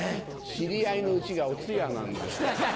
知り合いの家がお通夜なんです。